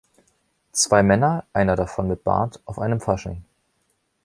Zwei Männer, einer davon mit Bart, auf einem Fasching.